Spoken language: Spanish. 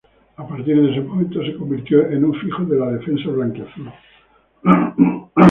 A partir de ese momento se convirtió en un fijo en la defensa blanquiazul.